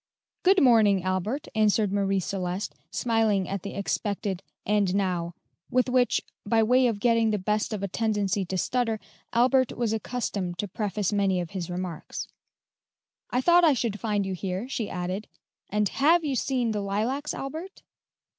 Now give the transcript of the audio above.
"Good morning, Albert," answered Marie Celeste, smiling at the expected, "and now," with which, by way of getting the best of a tendency to stutter, Albert was accustomed to preface many of his remarks; "1 thought I should find you here," she added; "and have you seen the lilacs, Albert?"